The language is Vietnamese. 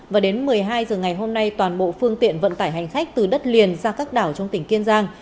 và đến một mươi hai h ngày hôm nay toàn bộ phương tiện vận tải hành khách từ đất liền ra các đảo trong tỉnh kiên giang